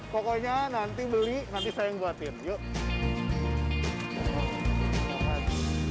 pokoknya nanti beli nanti saya yang buatin yuk